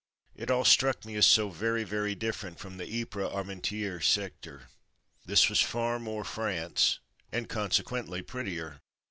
It all struck me as so very, very different from the Ypres Armentieres Sector. This was far more France, and consequently prettier.